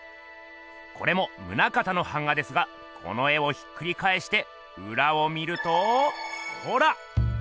これも棟方の版画ですがこの絵をひっくりかえしてうらを見るとほら！